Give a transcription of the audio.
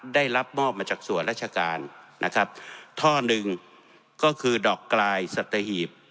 ได้รับมอบมาจากส่วนราชการนะครับท่อหนึ่งก็คือดอกกลายสัตหีบ